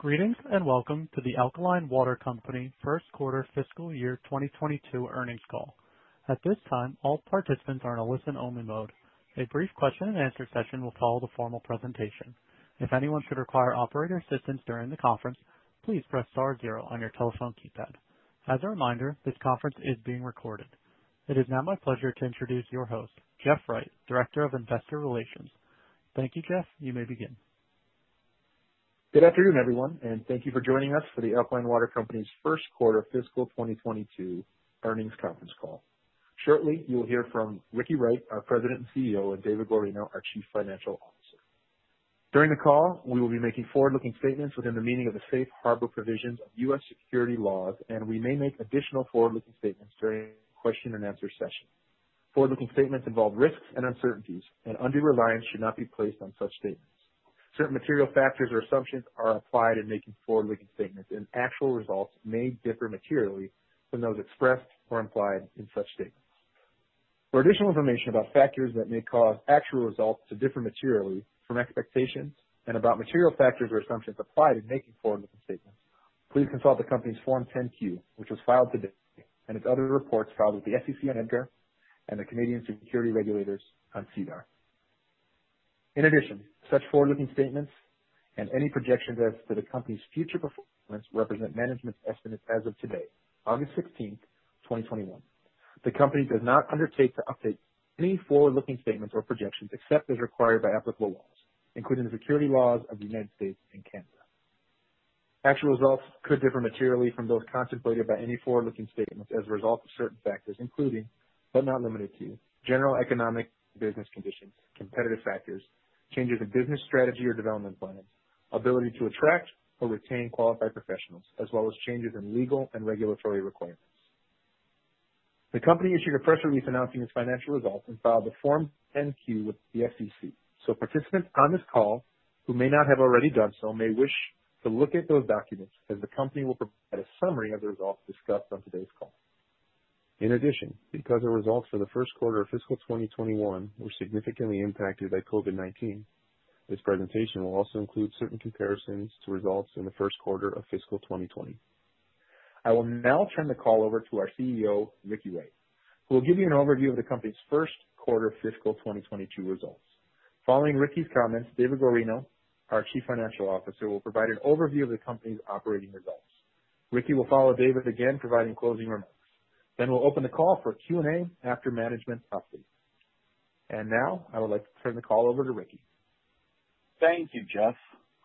Greetings, and welcome to The Alkaline Water Company First Quarter Fiscal Year 2022 Earnings Call. At this time, all participants are in a listen-only mode. A brief question-and-answer session will follow the formal presentation. If anyone should require operator assistance during the conference, please press star zero on your telephone keypad. As a reminder, this conference is being recorded. It is now my pleasure to introduce your host, Jeff Wright, Director of Investor Relations. Thank you, Jeff. You may begin. Good afternoon, everyone. Thank you for joining us for The Alkaline Water Company's First Quarter Fiscal 2022 Earnings Conference Call. Shortly, you will hear from Ricky Wright, our President and CEO, and David Guarino, our Chief Financial Officer. During the call, we will be making forward-looking statements within the meaning of the safe harbor provisions of U.S. security laws, and we may make additional forward-looking statements during the question-and-answer session. Forward-looking statements involve risks and uncertainties, and undue reliance should not be placed on such statements. Certain material factors or assumptions are applied in making forward-looking statements, and actual results may differ materially from those expressed or implied in such statements. For additional information about factors that may cause actual results to differ materially from expectations and about material factors or assumptions applied in making forward-looking statements, please consult the company's Form 10-Q, which was filed today, and its other reports filed with the SEC and EDGAR and the Canadian security regulators on SEDAR. In addition, such forward-looking statements and any projections as to the company's future performance represent management's estimates as of today, August 16th, 2021. The company does not undertake to update any forward-looking statements or projections except as required by applicable laws, including the security laws of the United States and Canada. Actual results could differ materially from those contemplated by any forward-looking statements as a result of certain factors, including, but not limited to, general economic business conditions, competitive factors, changes in business strategy or development plans, ability to attract or retain qualified professionals, as well as changes in legal and regulatory requirements. The company issued a press release announcing its financial results and filed a Form 10-Q with the SEC. Participants on this call who may not have already done so may wish to look at those documents, as the company will provide a summary of the results discussed on today's call. In addition, because our results for the first quarter of fiscal 2021 were significantly impacted by COVID-19, this presentation will also include certain comparisons to results in the first quarter of fiscal 2020. I will now turn the call over to our CEO, Ricky Wright, who will give you an overview of the company's first quarter fiscal 2022 results. Following Ricky's comments, David Guarino, our Chief Financial Officer, will provide an overview of the company's operating results. Ricky will follow David again, providing closing remarks. We'll open the call for Q&A after management's update. Now, I would like to turn the call over to Ricky. Thank you, Jeff.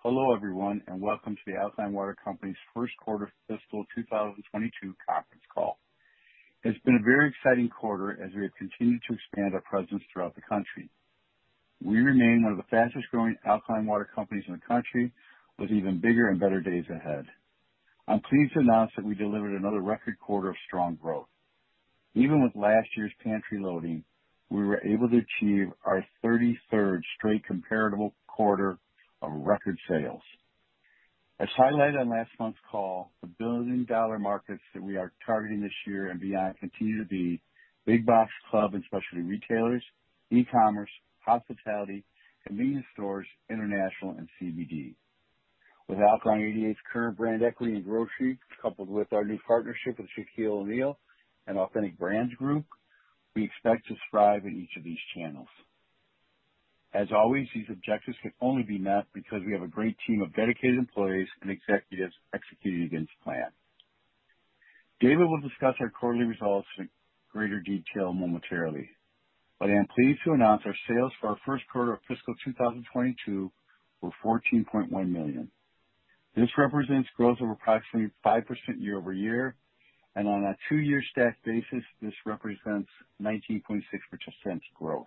Hello, everyone, and welcome to The Alkaline Water Company's First Quarter Fiscal 2022 Conference Call. It's been a very exciting quarter as we have continued to expand our presence throughout the country. We remain one of the fastest-growing alkaline water companies in the country, with even bigger and better days ahead. I'm pleased to announce that we delivered another record quarter of strong growth. Even with last year's pantry loading, we were able to achieve our 33rd straight comparable quarter of record sales. As highlighted on last month's call, the billion-dollar markets that we are targeting this year and beyond continue to be big box club and specialty retailers, e-commerce, hospitality, convenience stores, international, and CBD. With Alkaline88's current brand equity in grocery, coupled with our new partnership with Shaquille O'Neal and Authentic Brands Group, we expect to thrive in each of these channels. As always, these objectives can only be met because we have a great team of dedicated employees and executives executing against plan. David will discuss our quarterly results in greater detail momentarily. I am pleased to announce our sales for our first quarter of fiscal 2022 were $14.1 million. This represents growth of approximately 5% year-over-year, and on a two-year stacked basis, this represents 19.6% growth.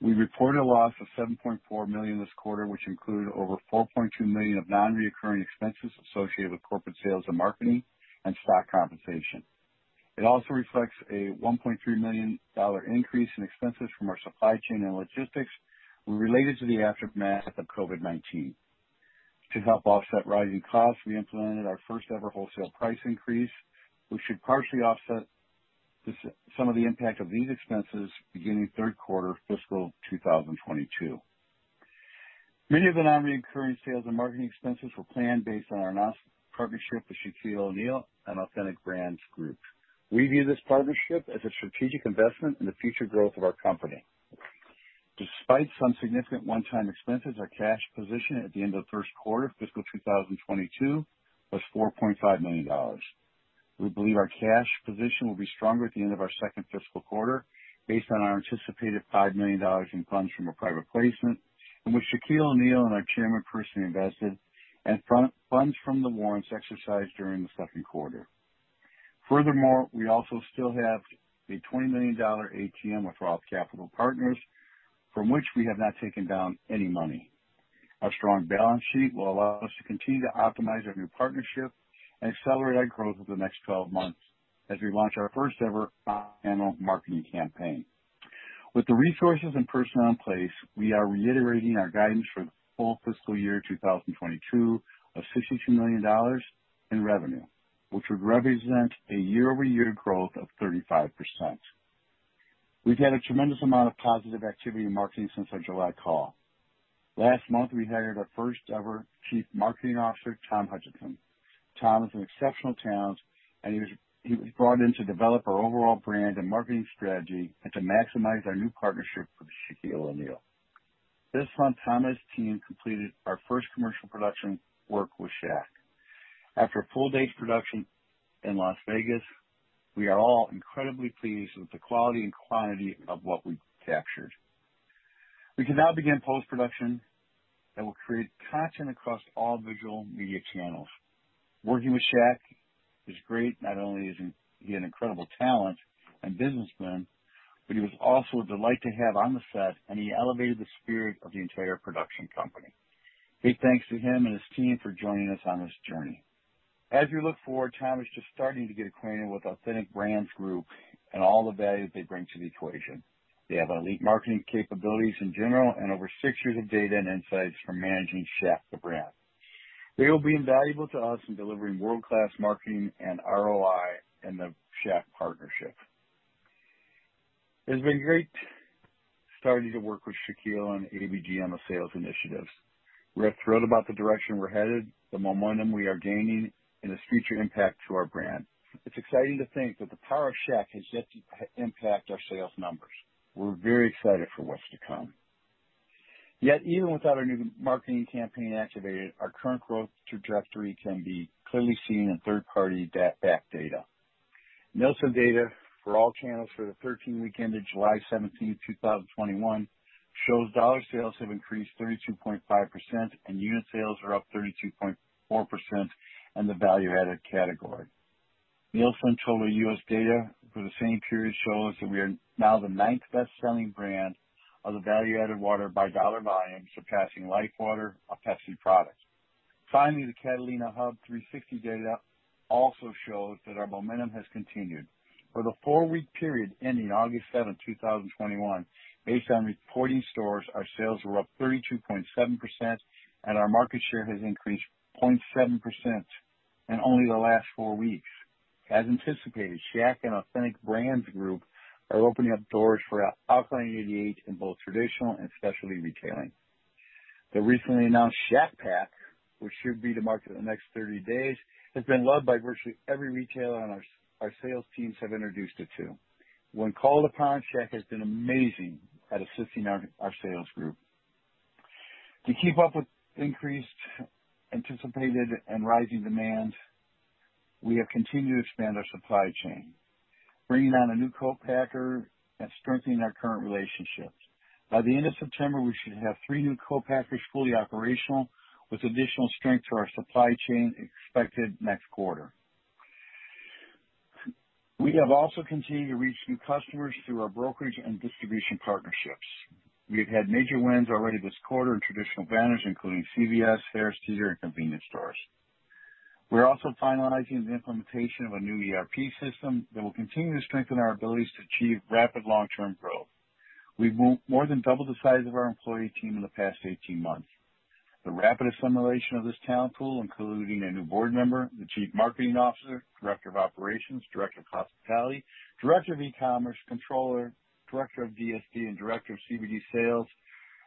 We reported a loss of $7.4 million this quarter, which included over $4.2 million of non-recurring expenses associated with corporate sales and marketing and stock compensation. It also reflects a $1.3 million dollar increase in expenses from our supply chain and logistics related to the aftermath of COVID-19. To help offset rising costs, we implemented our first-ever wholesale price increase, which should partially offset some of the impact of these expenses beginning third quarter fiscal 2022. Many of the non-reoccurring sales and marketing expenses were planned based on our announced partnership with Shaquille O'Neal and Authentic Brands Group. We view this partnership as a strategic investment in the future growth of our company. Despite some significant one-time expenses, our cash position at the end of the first quarter of fiscal 2022 was $4.5 million. We believe our cash position will be stronger at the end of our second fiscal quarter based on our anticipated $5 million in funds from a private placement in which Shaquille O'Neal and our chairman personally invested and funds from the warrants exercised during the second quarter. Furthermore, we also still have a $20 million ATM with Roth Capital Partners from which we have not taken down any money. Our strong balance sheet will allow us to continue to optimize our new partnership and accelerate our growth over the next 12 months as we launch our first-ever national marketing campaign. With the resources and personnel in place, we are reiterating our guidance for the full fiscal year 2022 of $62 million in revenue, which would represent a year-over-year growth of 35%. We've had a tremendous amount of positive activity in marketing since our July call. Last month, we hired our first-ever Chief Marketing Officer, Tom Hutchison. Tom is an exceptional talent. He was brought in to develop our overall brand and marketing strategy and to maximize our new partnership with Shaquille O'Neal. This month, Tom and his team completed our first commercial production work with Shaq. After a full day's production in Las Vegas, we are all incredibly pleased with the quality and quantity of what we captured. We can now begin post-production that will create content across all visual media channels. Working with Shaq was great. Not only is he an incredible talent and businessman, but he was also a delight to have on the set, and he elevated the spirit of the entire production company. Big thanks to him and his team for joining us on this journey. As we look forward, Tom is just starting to get acquainted with Authentic Brands Group and all the value they bring to the equation. They have elite marketing capabilities in general and over six years of data and insights from managing Shaq the brand. They will be invaluable to us in delivering world-class marketing and ROI in the Shaq partnership. It's been great starting to work with Shaquille and ABG on the sales initiatives. We're thrilled about the direction we're headed, the momentum we are gaining, and its future impact to our brand. It's exciting to think that the power of Shaq has yet to impact our sales numbers. We're very excited for what's to come. Yet even without our new marketing campaign activated, our current growth trajectory can be clearly seen in third-party backed data. Nielsen data for all channels for the 13-week ended July 17, 2021, shows dollar sales have increased 32.5% and unit sales are up 32.4% in the value-added category. Nielsen Total U.S. data for the same period shows that we are now the ninth best-selling brand of the value-added water by dollar volume, surpassing LIFEWTR, a Pepsi product. Finally, the Catalina HUB360 data also shows that our momentum has continued. For the four-week period ending August 7th, 2021, based on reporting stores, our sales were up 32.7% and our market share has increased 0.7% in only the last four weeks. As anticipated, Shaq and Authentic Brands Group are opening up doors for Alkaline88 in both traditional and specialty retailing. The recently announced Shaq Paq, which should be to market in the next 30 days, has been loved by virtually every retailer our sales teams have introduced it to. When called upon, Shaq has been amazing at assisting our sales group. To keep up with increased anticipated and rising demand, we have continued to expand our supply chain, bringing on a new co-packer and strengthening our current relationships. By the end of September, we should have three new co-packers fully operational with additional strength to our supply chain expected next quarter. We have also continued to reach new customers through our brokerage and distribution partnerships. We've had major wins already this quarter in traditional banners including CVS, Harris Teeter, and convenience stores. We're also finalizing the implementation of a new ERP system that will continue to strengthen our abilities to achieve rapid long-term growth. We've more than doubled the size of our employee team in the past 18 months. The rapid assimilation of this talent pool, including a new board member, the Chief Marketing Officer, Director of Operations, Director of Hospitality, Director of E-commerce, Controller, Director of DSD, and Director of CBD Sales,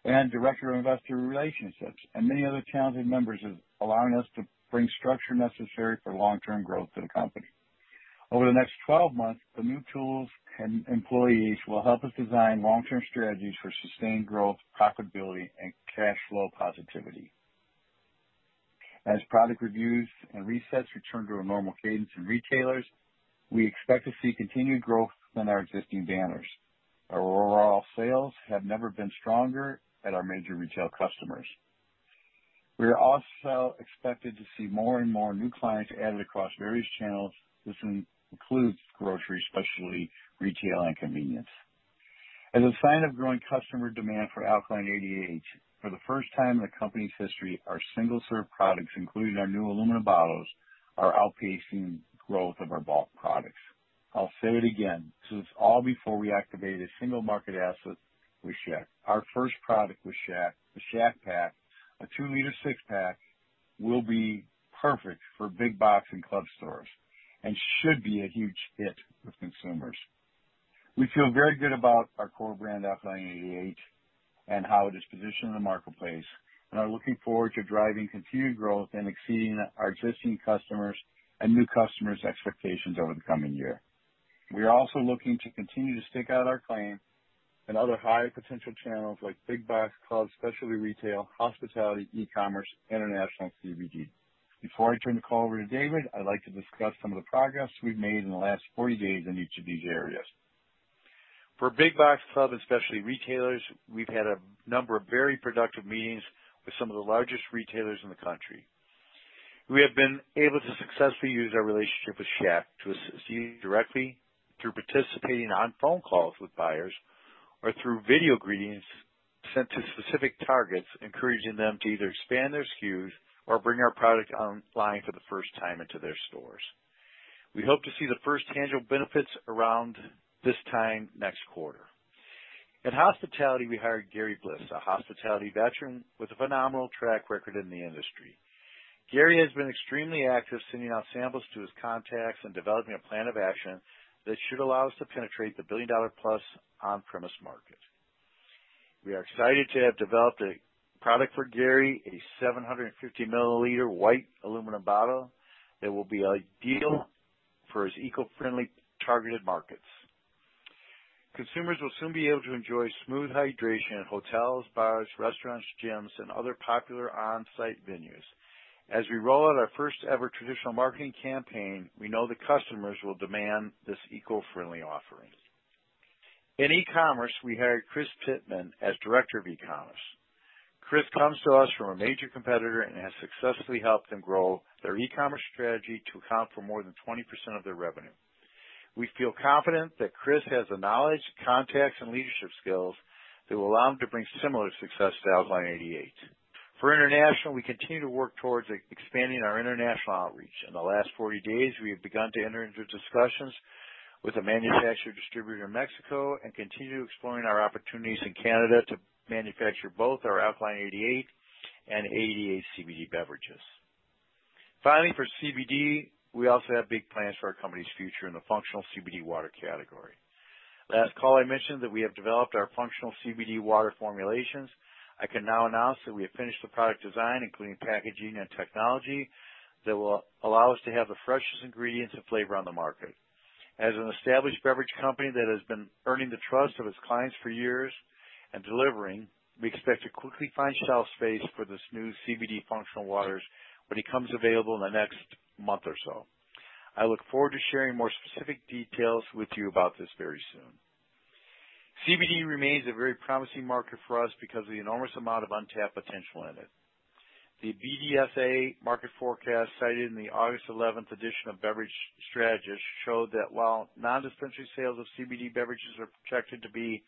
and Director of Investor Relations, and many other talented members is allowing us to bring structure necessary for long-term growth to the company. Over the next 12 months, the new tools and employees will help us design long-term strategies for sustained growth, profitability, and cash flow positivity. As product reviews and resets return to a normal cadence in retailers, we expect to see continued growth in our existing banners. Our overall sales have never been stronger at our major retail customers. We are also expected to see more and more new clients added across various channels. This includes grocery, specialty retail, and convenience. As a sign of growing customer demand for Alkaline88, for the first time in the company's history, our single-serve products, including our new aluminum bottles, are outpacing growth of our bulk products. I'll say it again, this is all before we activated single market asset with Shaq. Our first product with Shaq, the Shaq Paq, a 2 L six-pack, will be perfect for big box and club stores and should be a huge hit with consumers. We feel very good about our core brand, Alkaline88, and how it is positioned in the marketplace, and are looking forward to driving continued growth and exceeding our existing customers' and new customers' expectations over the coming year. We are also looking to continue to stake out our claim in other high potential channels like big box clubs, specialty retail, hospitality, e-commerce, international CBD. Before I turn the call over to David, I'd like to discuss some of the progress we've made in the last 40 days in each of these areas. For big box club and specialty retailers, we've had a number of very productive meetings with some of the largest retailers in the country. We have been able to successfully use our relationship with Shaq to assist either directly through participating on phone calls with buyers or through video greetings sent to specific targets, encouraging them to either expand their SKUs or bring our product online for the first time into their stores. We hope to see the first tangible benefits around this time next quarter. In hospitality, we hired Gary Bliss, a hospitality veteran with a phenomenal track record in the industry. Gary has been extremely active sending out samples to his contacts and developing a plan of action that should allow us to penetrate the billion-dollar-plus on-premise market. We are excited to have developed a product for Gary, a 750 mL white aluminum bottle that will be ideal for his eco-friendly targeted markets. Consumers will soon be able to enjoy smooth hydration at hotels, bars, restaurants, gyms, and other popular on-site venues. As we roll out our first-ever traditional marketing campaign, we know the customers will demand this eco-friendly offering. In e-commerce, we hired Chris Pitman as Director of E-commerce. Chris comes to us from a major competitor and has successfully helped them grow their e-commerce strategy to account for more than 20% of their revenue. We feel confident that Chris has the knowledge, contacts, and leadership skills that will allow him to bring similar success to Alkaline88. For international, we continue to work towards expanding our international outreach. In the last 40 days, we have begun to enter into discussions with a manufacturer distributor in Mexico and continue exploring our opportunities in Canada to manufacture both our Alkaline88 and 88 CBD beverages. Finally, for CBD, we also have big plans for our company's future in the functional CBD water category. Last call, I mentioned that we have developed our functional CBD water formulations. I can now announce that we have finished the product design, including packaging and technology, that will allow us to have the freshest ingredients and flavor on the market. As an established beverage company that has been earning the trust of its clients for years and delivering, we expect to quickly find shelf space for this new CBD functional waters when it comes available in the next month or so. I look forward to sharing more specific details with you about this very soon. CBD remains a very promising market for us because of the enormous amount of untapped potential in it. The BDSA market forecast cited in the August 11th edition of Beverage Strategist showed that while non-dispensary sales of CBD beverages are projected to be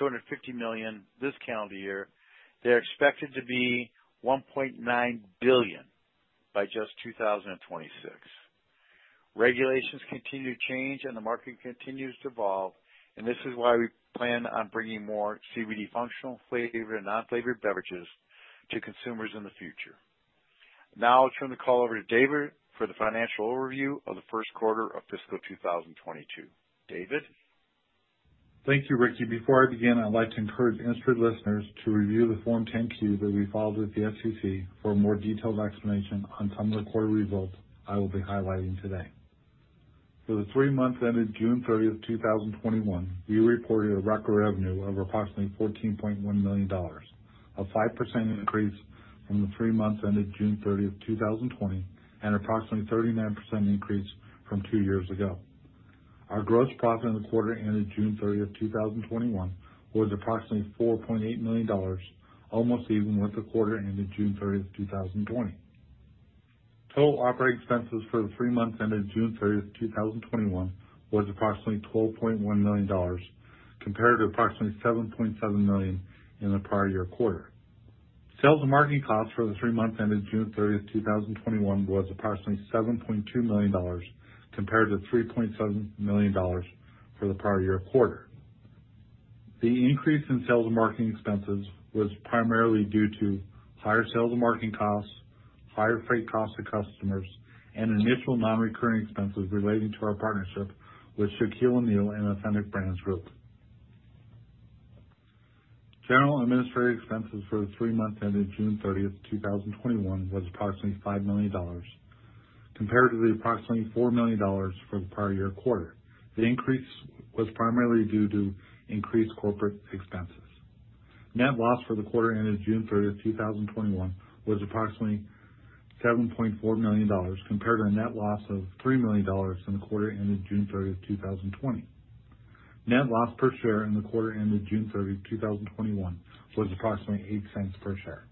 $250 million this calendar year, they're expected to be $1.9 billion by just 2026. Regulations continue to change and the market continues to evolve, this is why we plan on bringing more CBD functional flavored and non-flavored beverages to consumers in the future. Now I'll turn the call over to David for the financial overview of the first quarter of fiscal 2022. David? Thank you, Ricky. Before I begin, I'd like to encourage interested listeners to review the Form 10-Q that we filed with the SEC for a more detailed explanation on some of the quarter results I will be highlighting today. For the three months ended June 30th, 2021, we reported a record revenue of approximately $14.1 million, a 5% increase from the three months ended June 30th, 2020, and approximately 39% increase from two years ago. Our gross profit in the quarter ended June 30th, 2021, was approximately $4.8 million, almost even with the quarter ended June 30th, 2020. Total operating expenses for the three months ended June 30th, 2021, was approximately $12.1 million compared to approximately $7.7 million in the prior year quarter. Sales and marketing costs for the three months ended June 30th, 2021, was approximately $7.2 million compared to $3.7 million for the prior year quarter. The increase in sales and marketing expenses was primarily due to higher sales and marketing costs, higher freight costs to customers, and initial non-recurring expenses relating to our partnership with Shaquille O'Neal and Authentic Brands Group. General and administrative expenses for the three months ended June 30th, 2021, was approximately $5 million compared to the approximately $4 million for the prior year quarter. The increase was primarily due to increased corporate expenses. Net loss for the quarter ended June 30th, 2021, was approximately $7.4 million compared to a net loss of $3 million in the quarter ended June 30th, 2020. Net loss per share in the quarter ended June 30th, 2021, was approximately $0.08 per share.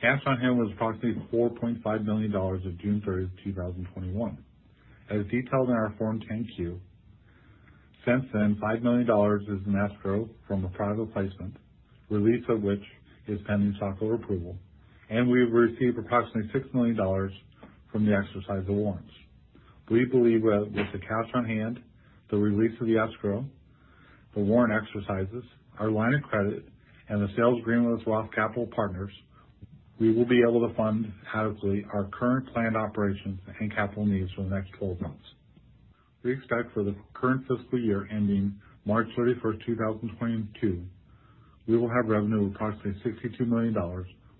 Cash on hand was approximately $4.5 million as of June 30th, 2021. As detailed in our Form 10-Q, since then, $5 million is in escrow from a private placement, release of which is pending stockholder approval, and we've received approximately $6 million from the exercise of warrants. We believe that with the cash on hand, the release of the escrow, the warrant exercises, our line of credit, and the sales agreement with Roth Capital Partners, we will be able to fund adequately our current planned operations and capital needs for the next 12 months. We expect for the current fiscal year ending March 31st, 2022, we will have revenue of approximately $62 million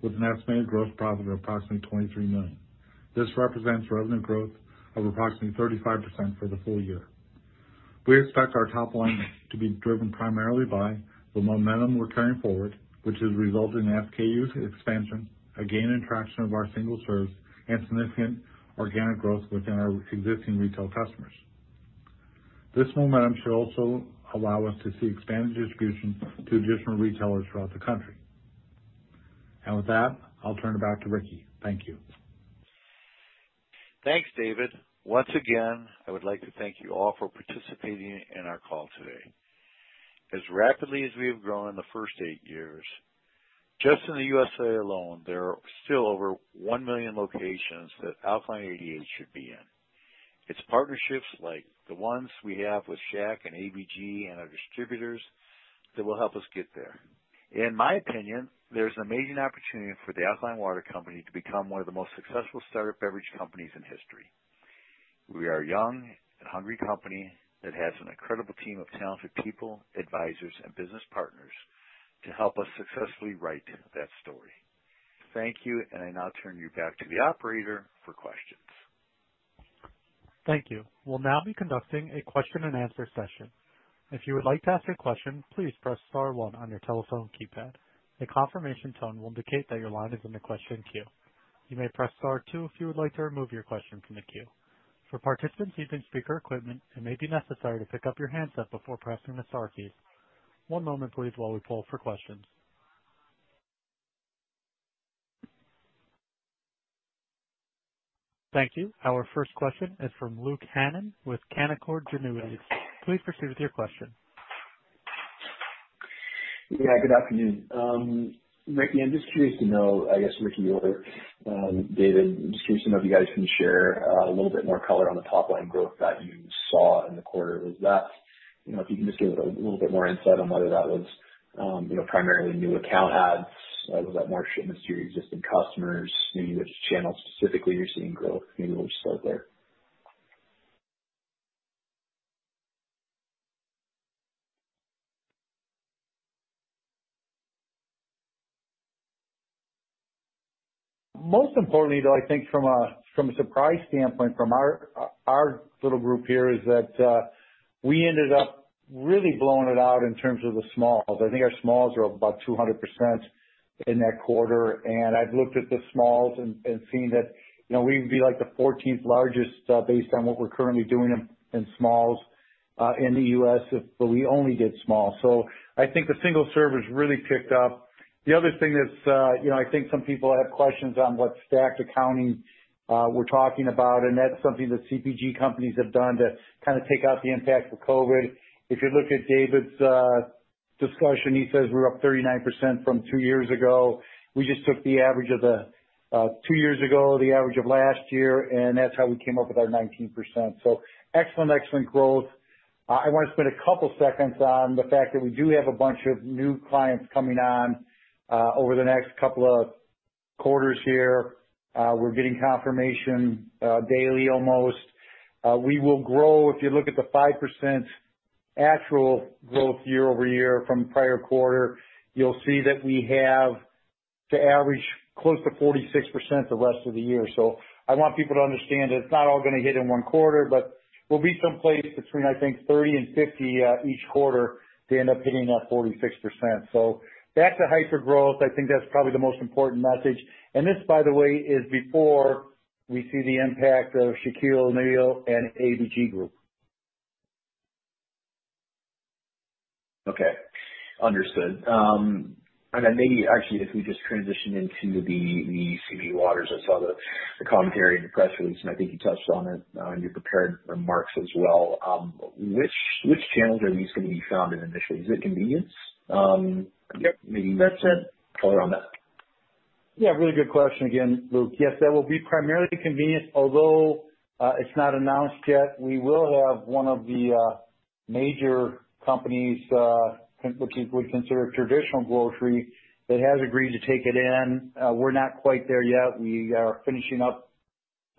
with an estimated gross profit of approximately $23 million. This represents revenue growth of approximately 35% for the full year. We expect our top line to be driven primarily by the momentum we're carrying forward, which has resulted in SKU expansion, a gain in traction of our single serve, and significant organic growth within our existing retail customers. This momentum should also allow us to see expanded distribution to additional retailers throughout the country. With that, I'll turn it back to Ricky. Thank you. Thanks, David. Once again, I would like to thank you all for participating in our call today. As rapidly as we have grown in the first eight years. Just in the U.S.A. alone, there are still over 1 million locations that Alkaline88 should be in. It's partnerships like the ones we have with Shaq and ABG and our distributors that will help us get there. In my opinion, there's an amazing opportunity for The Alkaline Water Company to become one of the most successful startup beverage companies in history. We are a young and hungry company that has an incredible team of talented people, advisors, and business partners to help us successfully write that story. Thank you, and I now turn you back to the operator for questions. Our first question is from Luke Hannan with Canaccord Genuity. Please proceed with your question. Yeah, good afternoon. Ricky, I'm just curious to know, I guess, Ricky or David, I'm just curious to know if you guys can share a little bit more color on the top line growth that you saw in the quarter. If you can just give a little bit more insight on whether that was primarily new account adds, was that more shipments to your existing customers? Maybe which channels specifically you're seeing growth. Maybe we'll just start there. Most importantly, though, I think from a surprise standpoint from our little group here is that we ended up really blowing it out in terms of the smalls. I think our smalls are up about 200% in that quarter. I've looked at the smalls and seen that we'd be the 14th largest, based on what we're currently doing in smalls in the U.S. if we only did small. I think the single-serve has really picked up. The other thing that I think some people have questions on what stacked accounting we're talking about. That's something that CPG companies have done to take out the impact of COVID. If you look at David's discussion, he says we're up 39% from two years ago. We just took the average of two years ago, the average of last year. That's how we came up with our 19%. Excellent growth. I want to spend a couple seconds on the fact that we do have a bunch of new clients coming on, over the next couple of quarters here. We're getting confirmation daily, almost. We will grow. If you look at the 5% actual growth year-over-year from the prior quarter, you'll see that we have the average close to 46% the rest of the year. I want people to understand that it's not all going to hit in one quarter, but we'll be someplace between, I think, 30% and 50% each quarter to end up hitting that 46%. Back to hyper-growth, I think that's probably the most important message. This, by the way, is before we see the impact of Shaquille O'Neal and ABG Group. Okay. Understood. Maybe actually, if we just transition into the CBD waters. I saw the commentary in the press release, and I think you touched on it in your prepared remarks as well. Which channels are these going to be found in initially? Is it convenience? Yep. Maybe some color on that. Yeah, really good question again, Luke. Yes, that will be primarily convenience, although it's not announced yet. We will have one of the major companies, what people would consider traditional grocery, that has agreed to take it in. We're not quite there yet. We are finishing up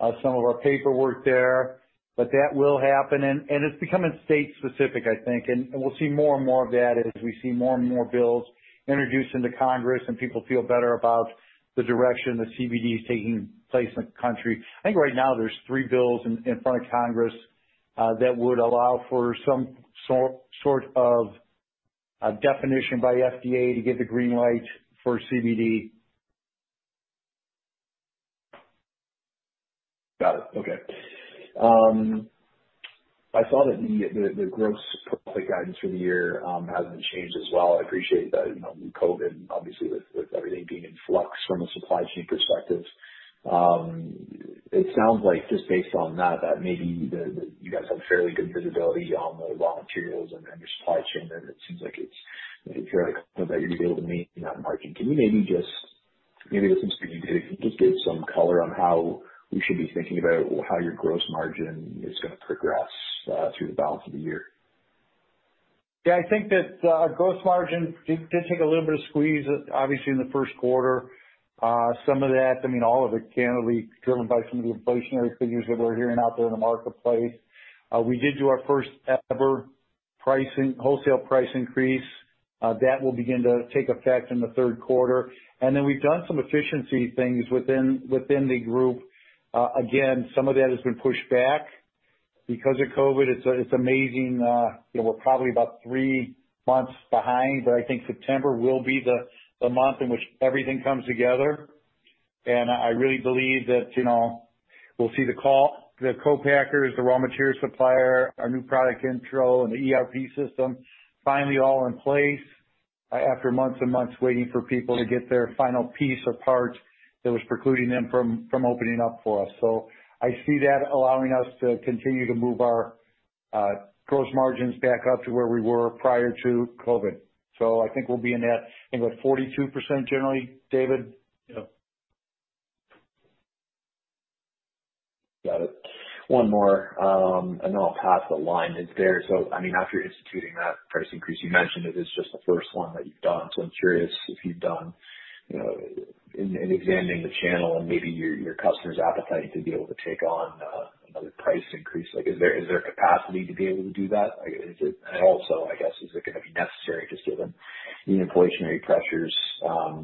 some of our paperwork there, but that will happen, and it's becoming state specific, I think. We'll see more and more of that as we see more and more bills introduced into Congress and people feel better about the direction that CBD is taking place in the country. I think right now there's three bills in front of Congress that would allow for some sort of a definition by the FDA to get the green light for CBD. Got it. Okay. I saw that the gross margin guidance for the year hasn't changed as well. I appreciate that with COVID, obviously, with everything being in flux from a supply chain perspective. It sounds like just based on that maybe you guys have fairly good visibility on the raw materials and your supply chain, and it seems like you're able to meet that margin. Can you maybe just give some color on how we should be thinking about how your gross margin is going to progress through the balance of the year? Yeah, I think that gross margin did take a little bit of squeeze, obviously, in the first quarter. Some of that, all of it, candidly, driven by some of the inflationary figures that we're hearing out there in the marketplace. We did do our first ever wholesale price increase. That will begin to take effect in the third quarter. We've done some efficiency things within the group. Again, some of that has been pushed back because of COVID. It's amazing. We're probably about three months behind. I think September will be the month in which everything comes together. I really believe that we'll see the co-packers, the raw material supplier, our new product intro, and the ERP system finally all in place after months and months waiting for people to get their final piece or part that was precluding them from opening up for us. I see that allowing us to continue to move our gross margins back up to where we were prior to COVID. I think we'll be in that, I think, like, 42% generally, David? Yep. Got it. One more, and then I'll pass the line. After instituting that price increase, you mentioned it is just the first one that you've done. I'm curious if you've done, in examining the channel and maybe your customers' appetite to be able to take on another price increase, is there capacity to be able to do that? Is it- Yes I guess, is it going to be necessary just given the inflationary pressures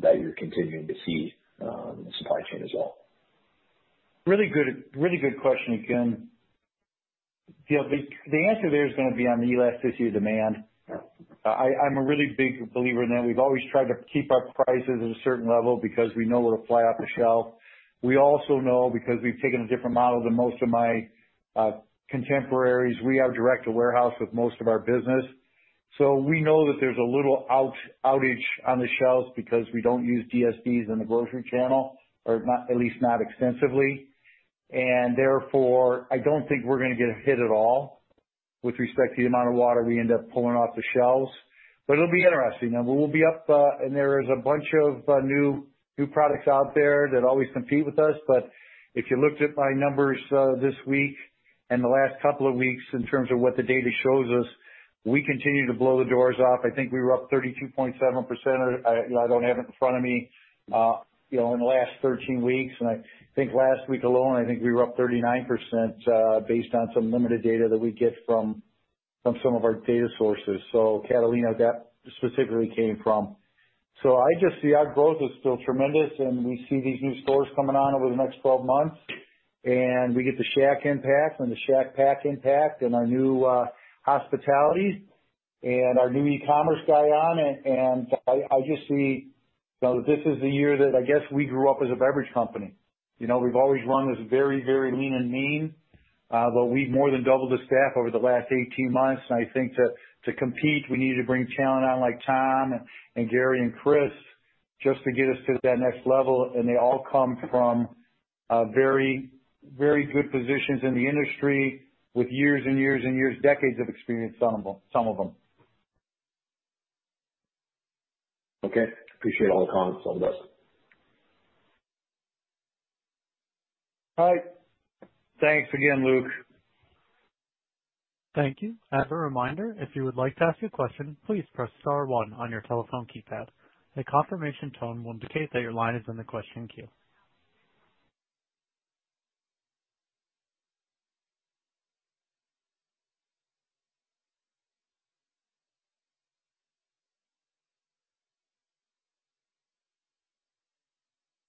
that you're continuing to see in the supply chain as well? Really good question again. The answer there is going to be on the elasticity of demand. Yep. I'm a really big believer in that. We've always tried to keep our prices at a certain level because we know it'll fly off the shelf. We also know, because we've taken a different model than most of my contemporaries, we have direct-to-warehouse with most of our business. We know that there's a little outage on the shelves because we don't use DSDs in the grocery channel, or at least not extensively. Therefore, I don't think we're going to get hit at all with respect to the amount of water we end up pulling off the shelves. It'll be interesting. We will be up. There is a bunch of new products out there that always compete with us. If you looked at my numbers this week and the last couple of weeks in terms of what the data shows us, we continue to blow the doors off. I think we were up 32.7%, I don't have it in front of me, in the last 13 weeks. I think last week alone, I think we were up 39%, based on some limited data that we get from some of our data sources. Catalina, that specifically came from. I just see our growth is still tremendous, and we see these new stores coming on over the next 12 months, and we get the Shaq impact and the Shaq Paq impact and our new hospitality and our new e-commerce guy on. I just see that this is the year that I guess we grew up as a beverage company. We've always run this very lean and mean, but we've more than doubled the staff over the last 18 months. I think to compete, we needed to bring talent on like Tom and Gary and Chris just to get us to that next level. They all come from very good positions in the industry with years, decades of experience, some of them. Okay. Appreciate all the comments on those. All right. Thanks again, Luke. Thank you. As a reminder, if you would like to ask a question, please press star one on your telephone keypad. A confirmation tone will indicate that your line is in the question queue.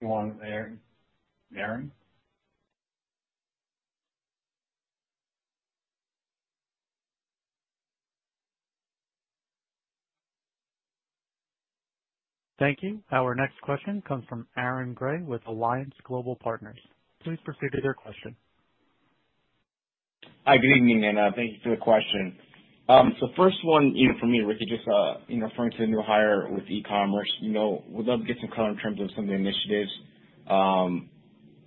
One, Aaron. Aaron? Thank you. Our next question comes from Aaron Gray with Alliance Global Partners. Please proceed with your question. Hi, good evening, thank you for the question. First one for me, Ricky, just referring to the new hire with e-commerce. Would love to get some color in terms of some of the initiatives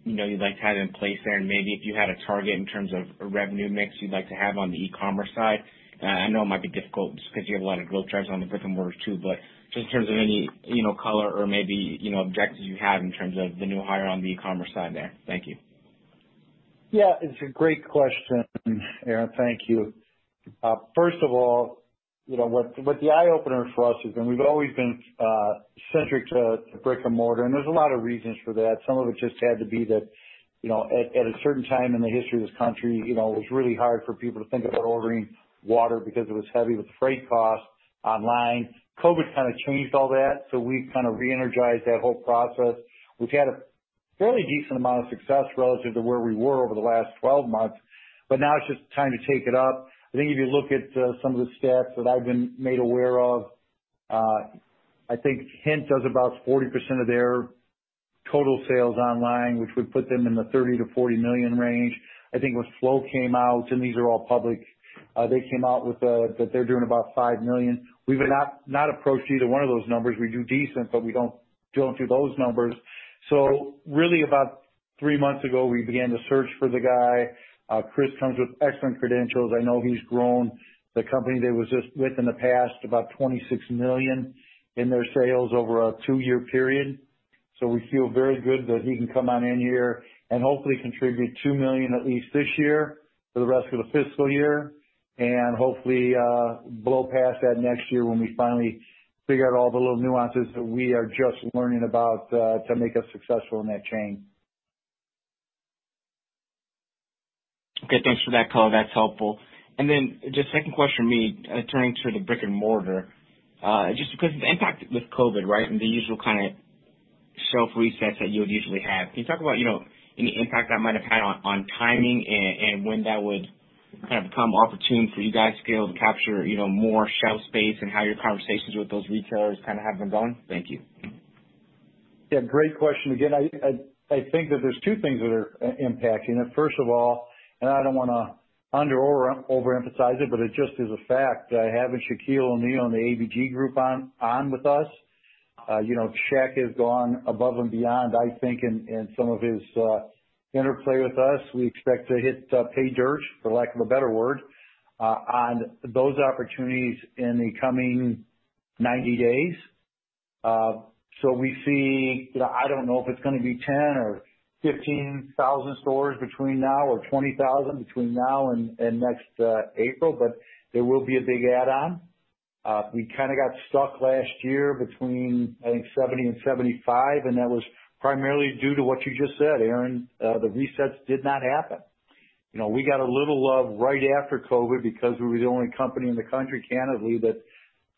you'd like to have in place there, and maybe if you had a target in terms of a revenue mix you'd like to have on the e-commerce side. I know it might be difficult just because you have a lot of growth drivers on the brick-and-mortars, too. Just in terms of any color or maybe objectives you have in terms of the new hire on the e-commerce side there. Thank you. Yeah, it's a great question, Aaron. Thank you. First of all, what the eye-opener for us has been, we've always been centric to brick-and-mortar, and there's a lot of reasons for that. Some of it just had to be that at a certain time in the history of this country, it was really hard for people to think about ordering water because it was heavy with freight costs online. COVID kind of changed all that, so we've kind of re-energized that whole process. We've had a fairly decent amount of success relative to where we were over the last 12 months, but now it's just time to take it up. I think if you look at some of the stats that I've been made aware of, I think Hint does about 40% of their total sales online, which would put them in the $30 million-$40 million range. I think when Flow came out, and these are all public, they came out with that they're doing about $5 million. We've not approached either one of those numbers. We do decent, but we don't do those numbers. Really about three months ago, we began to search for the guy. Chris comes with excellent credentials. I know he's grown the company that he was just with in the past, about $26 million in their sales over a two-year period. We feel very good that he can come on in here and hopefully contribute $2 million at least this year for the rest of the fiscal year, and hopefully blow past that next year when we finally figure out all the little nuances that we are just learning about to make us successful in that chain. Okay, thanks for that color. That's helpful. Second question from me, turning to the brick-and-mortar. Just because of the impact with COVID, right, and the usual kind of shelf resets that you would usually have. Can you talk about any impact that might have had on timing and when that would kind of become opportune for you guys to be able to capture more shelf space and how your conversations with those retailers kind of have been going? Thank you. Yeah, great question. Again, I think that there's two things that are impacting it. First of all, I don't want to under or overemphasize it, but it just is a fact that having Shaquille O'Neal and the ABG group on with us-Shaq has gone above and beyond, I think, in some of his interplay with us. We expect to hit pay dirt, for lack of a better word, on those opportunities in the coming 90 days. We see, I don't know if it's going to be 10,000 or 15,000 stores between now, or 20,000 between now and next April, but there will be a big add-on. We kind of got stuck last year between, I think, 70,000 and 75,000, that was primarily due to what you just said, Aaron. We got a little love right after COVID because we were the only company in the country, Canada, that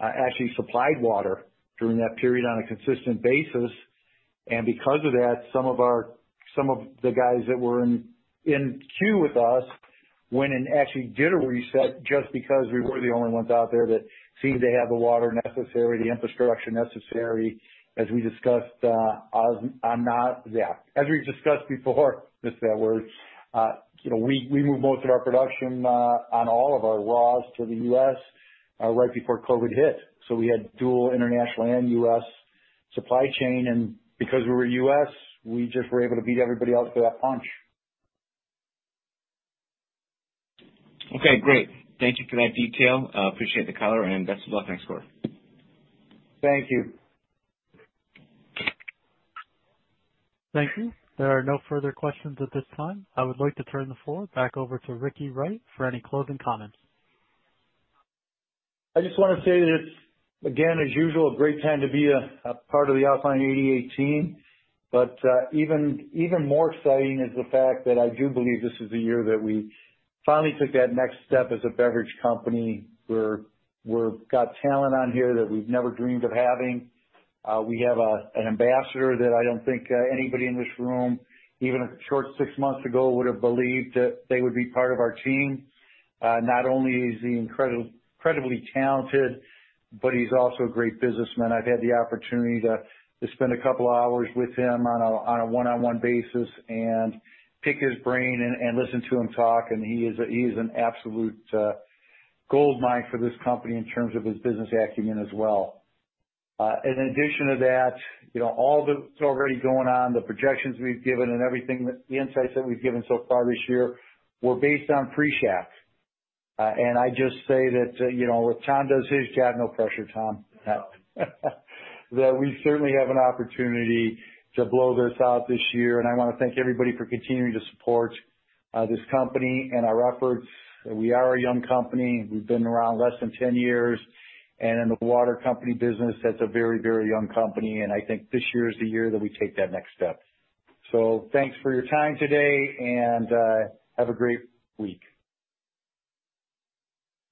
actually supplied water during that period on a consistent basis. Because of that, some of the guys that were in queue with us went and actually did a reset just because we were the only ones out there that seemed to have the water necessary, the infrastructure necessary. As we discussed before, we moved most of our production on all of our lines to the U.S. right before COVID hit. We had dual international and U.S. supply chain. Because we were U.S., we just were able to beat everybody else to that punch. Okay, great. Thank you for that detail. Appreciate the color, and best of luck next quarter. Thank you. Thank you. There are no further questions at this time. I would like to turn the floor back over to Ricky Wright for any closing comments. I just want to say that it's, again, as usual, a great time to be a part of the Alkaline88 team. Even more exciting is the fact that I do believe this is the year that we finally took that next step as a beverage company. We've got talent on here that we've never dreamed of having. We have an ambassador that I don't think anybody in this room, even a short six months ago, would've believed that they would be part of our team. Not only is he incredibly talented, but he's also a great businessman. I've had the opportunity to spend a couple of hours with him on a one-on-one basis and pick his brain and listen to him talk, and he is an absolute goldmine for this company in terms of his business acumen as well. In addition to that, all that's already going on, the projections we've given and everything, the insights that we've given so far this year, were based on pre-Shaq. I just say that when Tom does his job, no pressure, Tom. That we certainly have an opportunity to blow this out this year, and I want to thank everybody for continuing to support this company and our efforts. We are a young company. We've been around less than 10 years, and in the water company business, that's a very young company, and I think this year is the year that we take that next step. Thanks for your time today, and have a great week.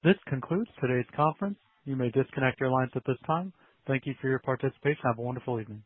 This concludes today's conference. You may disconnect your lines at this time. Thank you for your participation. Have a wonderful evening.